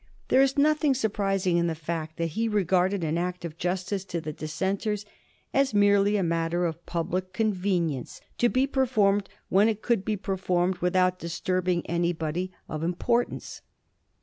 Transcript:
There is nothing surprising in the fact that he regarded an act of justice to the Dissenters as merely a matter of public convenience, to be performed when it could be performed without disturbing anybody of im 112 A HISTORY OF THE FOUR GEORGSa ch. xxnn. portance.